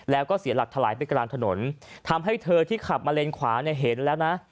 แล้วก็เสียหลักถลายไปกลางถนนทำให้เธอที่ขับมาเลนขวาเนี่ยเห็นแล้วนะ